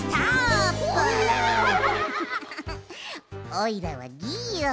おいらはギーオン。